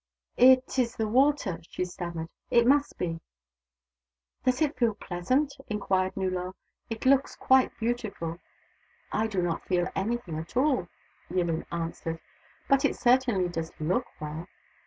"It is the water !" she stammered. " It must be! "" Does it feel pleasant ?" inquired Nullor. " It looks quite beautiful." " I do not feel anything at all," Yillin answered. " But it certainly does look well."